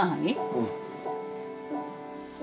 うん。